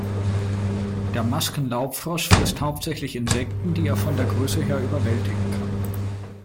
Der Masken-Laubfrosch frisst hauptsächlich Insekten, die er von der Größe her überwältigen kann.